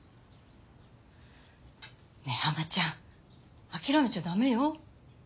ねえハマちゃん諦めちゃダメよ？